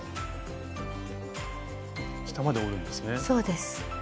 そうです。